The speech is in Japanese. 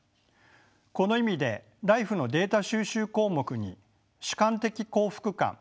この意味でＬＩＦＥのデータ収集項目に主観的幸福感